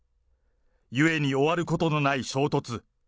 ゆえに終わることのない衝突。